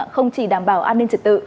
không chỉ đảm bảo an ninh trật tự